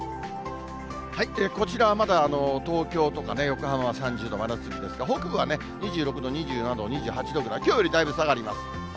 こちらはまだ東京とか横浜は３０度、真夏日ですが、北部は２６度、２７度、２８度ぐらい、きょうよりだいぶ下がります。